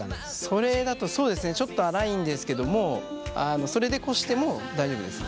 それだとそうですねちょっと粗いんですけどもそれでこしても大丈夫ですよ。